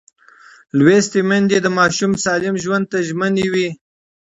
لوستې میندې د ماشوم سالم ژوند ته ژمن وي.